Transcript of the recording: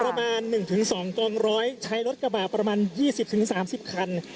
ประมาณหนึ่งถึงสองกองร้อยใช้รถกระบะประมาณยี่สิบถึงสามสิบคัน